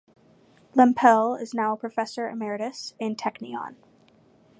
Lempel is now a professor emeritus in Technion.